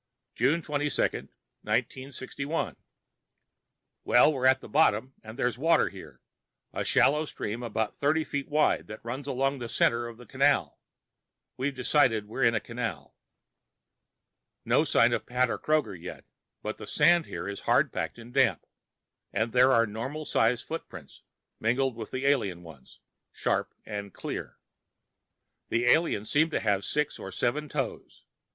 June 22, 1961 Well, we're at the bottom, and there's water here, a shallow stream about thirty feet wide that runs along the center of the canal (we've decided we're in a canal). No sign of Pat or Kroger yet, but the sand here is hard packed and damp, and there are normal size footprints mingled with the alien ones, sharp and clear. The aliens seem to have six or seven toes.